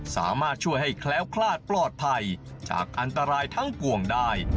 สามารถช่วยให้แคล้วคลาดปลอดภัยจากอันตรายทั้งปวงได้